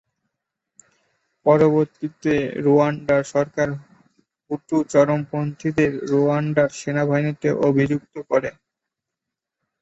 পরবর্তীতে রুয়ান্ডার সরকার হুটু চরমপন্থীদের রুয়ান্ডার সেনাবাহিনীতে অভিযুক্ত করে।